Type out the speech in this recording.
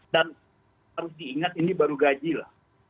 dan harus diingat ini baru gaji lah